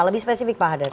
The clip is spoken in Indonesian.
lebih spesifik pak hadrat